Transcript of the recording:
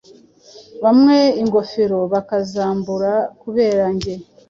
Bamwe ingofero bakazambura kubera njye